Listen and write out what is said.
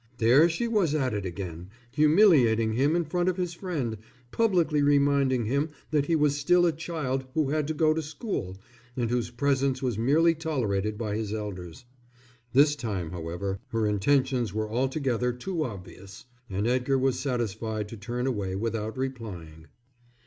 There she was at it again, humiliating him in front of his friend, publicly reminding him that he was still a child who had to go to school and whose presence was merely tolerated by his elders. This time, however, her intentions were altogether too obvious, and Edgar was satisfied to turn away without replying.